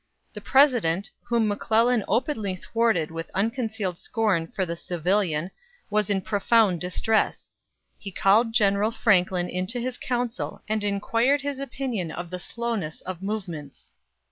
The President, whom McClellan openly thwarted with unconcealed scorn for the "civilian," was in profound distress. He called General Franklin into his counsel and inquired his opinion of the slowness of movements.